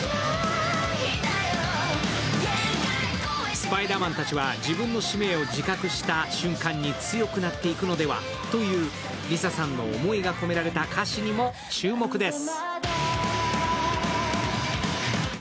スパイダーマンたちは自分の使命を自覚した瞬間に強くなっていくのではというＬｉＳＡさんの思いが込められた歌詞にも注目です。